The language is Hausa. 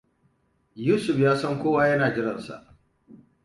Yusuf yasan kowa yana jiran sa.